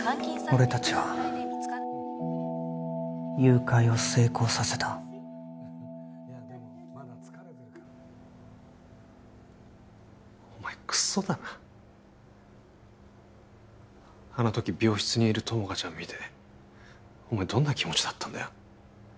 俺達は誘拐を成功させたお前クソだなあの時病室にいる友果ちゃん見てお前どんな気持ちだったんだよ？